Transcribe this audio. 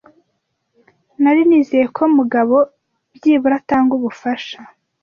Nari nizeye ko Mugabo byibura atanga ubufasha.